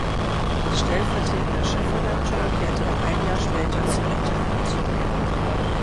Als stellvertretender Chefredakteur kehrte er ein Jahr später zu n-tv zurück.